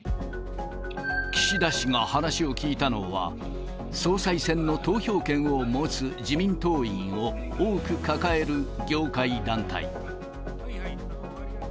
岸田氏が話を聞いたのは、総裁選の投票権を持つ自民党員を多く抱える業界団体。